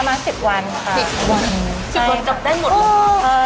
มา๑๐วันค่ะ๑๐วันจบได้หมด